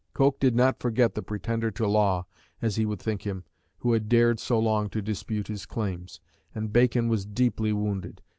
Coke did not forget the pretender to law, as he would think him, who had dared so long to dispute his claims; and Bacon was deeply wounded.